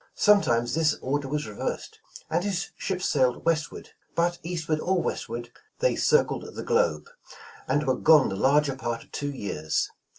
Sometimes this order was reversed, and his ships sailed westward, but eastward or westward, they circled the globe, and were gone the larger part of two years.